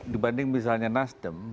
dibanding misalnya nasdem